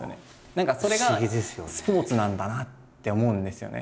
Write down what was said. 何かそれがスポーツなんだなって思うんですよね。